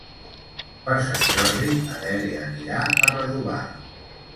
Per Sant Jordi na Dèlia anirà a Redovà.